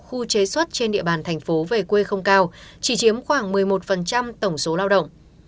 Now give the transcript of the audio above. khu chế xuất trên địa bàn thành phố về quê không cao chỉ chiếm khoảng một mươi một tổng số lao động